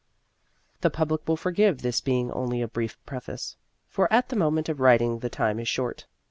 The public will forgive this being only a brief preface, for at the moment of writing the time is short.